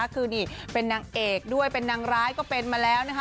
คือนี่เป็นนางเอกด้วยเป็นนางร้ายก็เป็นมาแล้วนะคะ